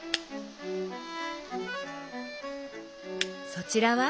そちらは？